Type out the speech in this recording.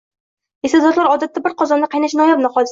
Iste’dodlar, odatda, bir qozonda qaynashi noyob hodisa.